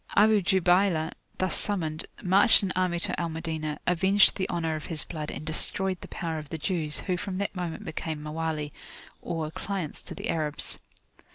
Abu Jubaylah, thus summoned, marched an army to Al Madinah, avenged the honour of his blood, and destroyed the power of the Jews, who from that moment became Mawali, or clients to the Arabs.